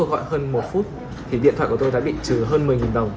với cuộc gọi hơn một phút thì điện thoại của tôi đã bị trừ hơn mình